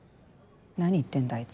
何言ってんだあいつ。